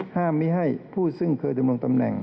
ห้ามไม่ให้ผู้ซึ่งเคยดำรงตำแหน่ง